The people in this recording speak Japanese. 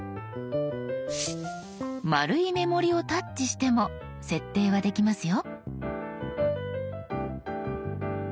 丸い目盛りをタッチしても設定はできますよ。